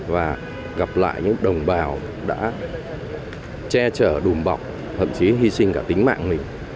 và gặp lại những đồng bào đã che chở đùm bọc thậm chí hy sinh cả tính mạng mình